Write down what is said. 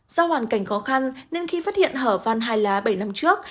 do hoàn cảnh khó khăn nên khi phát hiện hở van hai lá bảy năm trước